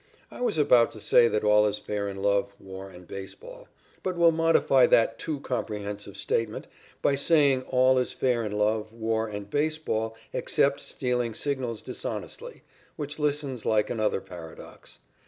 I was about to say that all is fair in love, war, and baseball, but will modify that too comprehensive statement by saying all is fair in love, war, and baseball except stealing signals dishonestly, which listens like another paradox.